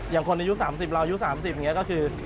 อย่างคนในยุค๓๐เรายุค๓๐อย่างนี้ก็คือ